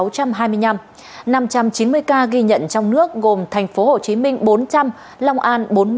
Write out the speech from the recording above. năm trăm chín mươi ca ghi nhận trong nước gồm thành phố hồ chí minh bốn trăm linh long an bốn mươi